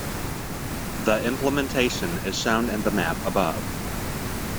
The implementation is shown in the map above.